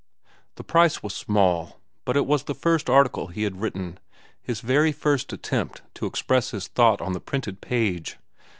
The price was small, but it was the first article he had written, his very first attempt to express his thought on the printed page.